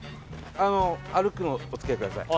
あの歩くのおつきあいください